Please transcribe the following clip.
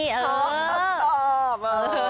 ชอบ